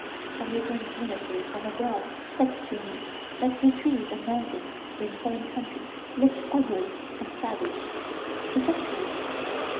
Some returned Ministers from abroad said to me that the trees and mountains in foreign countries looked ugly and savage. Is that true?"